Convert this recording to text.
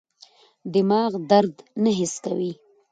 دماغ درد نه حس کوي.